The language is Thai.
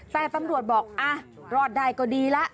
แต่ตำรวจบอกอ่ะรอดได้ก็ดีล่ะ